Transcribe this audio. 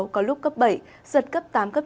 có lúc cấp bảy giật cấp tám cấp chín